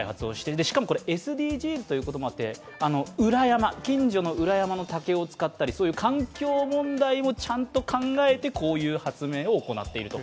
しかもこれ、ＳＤＧｓということもあって、近所の裏山の竹を使ったり、そういう環境問題もちゃんと考えてこういう発明を行っていると。